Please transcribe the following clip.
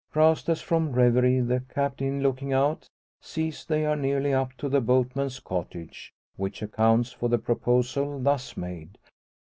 Roused as from a reverie, the Captain looking out, sees they are nearly up to the boatman's cottage, which accounts for the proposal thus made.